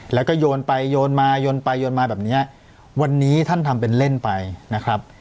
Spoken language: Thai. แล้วก็โยนไปโยนมาโยนไปโยนมาแบบเนี้ยวันนี้ท่านทำเป็นเล่นไปนะครับ